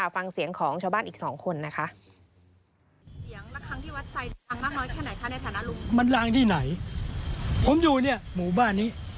ฟังเสียงของชาวบ้านอีก๒คนนะคะ